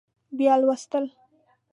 بیا لوستل